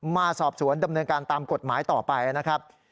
มาสอบสวนดำเนินการตามกฎหมายต่อไปนะครับ